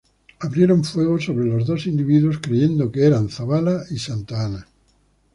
Abrieron fuego sobre los dos individuos creyendo que eran Zavala y Santa Anna.